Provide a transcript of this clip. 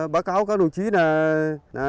báo cáo các đồng chí là